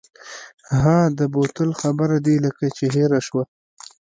ها د بوتل خبره دې لکه چې هېره شوه.